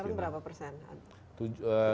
sekarang berapa persen